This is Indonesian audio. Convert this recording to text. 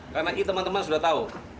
karena i teman teman sudah tahu